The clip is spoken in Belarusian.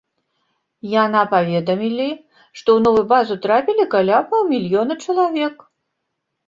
Яна паведамілі, што ў новую базу трапілі каля паўмільёна чалавек.